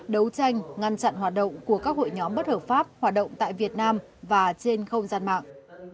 đấu tranh ngăn chặn hoạt động của các hội nhóm bất hợp pháp hoạt động tại việt nam và trên không gian mạng